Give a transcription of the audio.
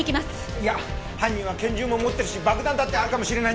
いや犯人は拳銃も持ってるし爆弾だってあるかもしれないんだ。